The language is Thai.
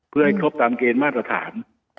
เพื่อให้ครบตามเกณฑ์มาตรฐาน